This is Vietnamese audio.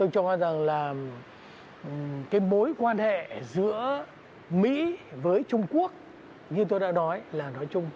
cho nên mối quan hệ giữa hai bên có lẽ đến giai đoạn tôi cho là gần như thấp nhất